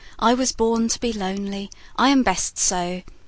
I was born to be lonely, I am best so!"